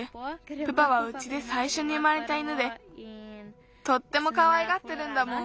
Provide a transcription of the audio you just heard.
プパはうちでさいしょに生まれた犬でとってもかわいがってるんだもん。